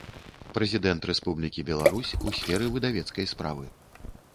Прэзiдэнт Рэспублiкi Беларусь у сферы выдавецкай справы.